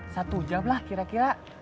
satu jam lah kira kira